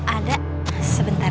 ada sebentar ya